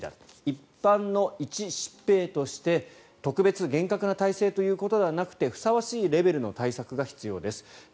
一般の一疾病として特別厳格な体制ということではなくてふさわしいレベルの対策が必要です